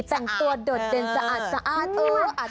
แต่งตัวดดเด่นสะอาดสะอาดสะอาด